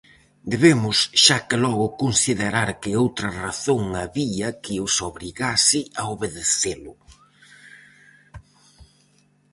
Debemos xa que logo considerar que outra razón había que os obrigase a obedecelo.